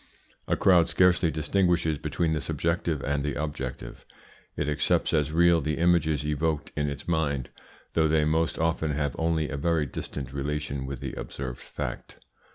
A crowd scarcely distinguishes between the subjective and the objective. It accepts as real the images evoked in its mind, though they most often have only a very distant relation with the observed fact.